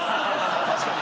確かに。